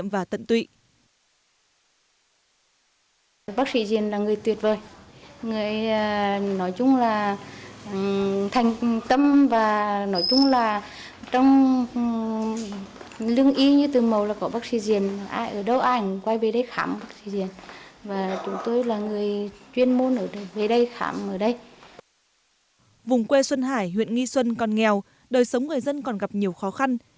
vùng quê xuân hải huyện nghi xuân còn nghèo đời sống người dân còn gặp nhiều khó khăn